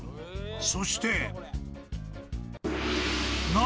［そして］